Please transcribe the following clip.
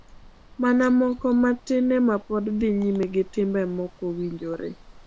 Mana moko matin ema pod dhi nyime gi timbe mokowinjore.